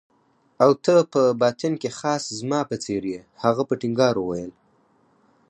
او ته په باطن کې خاص زما په څېر يې. هغه په ټینګار وویل.